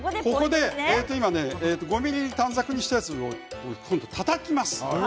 ５ｍｍの短冊にしたやつをたたきます。